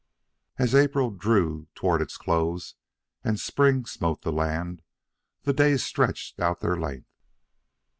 April drew toward its close, and spring smote the land. The days stretched out their length.